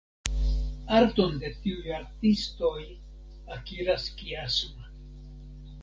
Arton de tiuj artistoj akiras Kiasma.